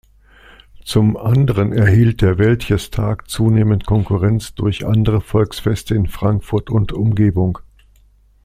Zum anderen erhielt der Wäldchestag zunehmend Konkurrenz durch andere Volksfeste in Frankfurt und Umgebung.